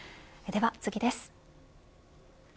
では次です。